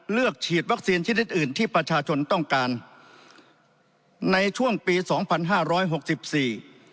ฉีดวัคซีนชนิดอื่นที่ประชาชนต้องการในช่วงปีสองพันห้าร้อยหกสิบสี่